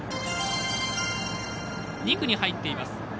２区に入っています。